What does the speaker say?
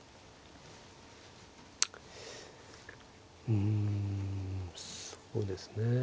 うんそうですねえ。